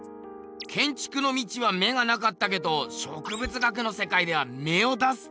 けんちくの道は目がなかったけど植物学の世界では芽を出すってことか？